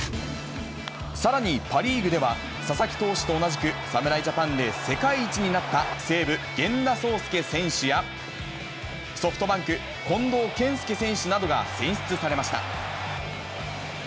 さらにパ・リーグでは、佐々木投手と同じく侍ジャパンで世界一になった西武、源田壮亮選手や、ソフトバンク、近藤健介選手などが選出されました。